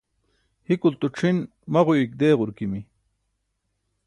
hikulto c̣ʰin maġuyuik deeġurqimi